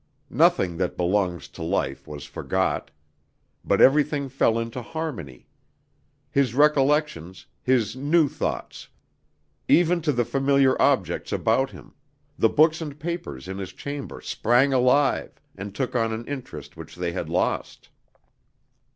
Nothing that belongs to life was forgot. But everything fell into harmony. His recollections, his new thoughts. Even to the familiar objects about him: the books and papers in his chamber sprang alive and took on an interest which they had lost.